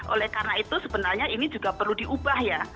oleh karena itu sebenarnya ini juga perlu diubah ya